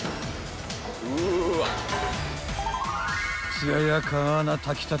［つややかな炊きたて